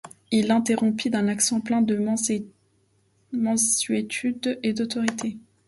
Il l'interrompit d'un accent plein de mansuétude et d'autorité.